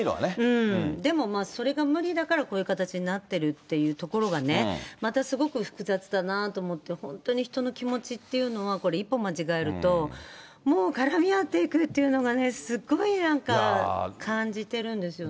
でも、それが無理だから、こういう形になってるっていうところがね、またすごく複雑だなと思って、本当に人の気持ちっていうのは、これ、一歩間違えると、もう絡み合っていくというのが、すごい、なんか感じてるんですよね。